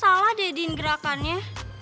kayaknya salah dediin gerakannya